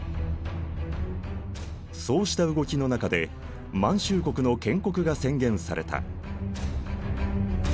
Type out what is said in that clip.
そうした動きの中で満洲国の建国が宣言された。